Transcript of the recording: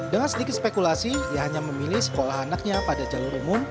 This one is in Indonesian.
dengan sedikit spekulasi ia hanya memilih sekolah anaknya pada jalur umum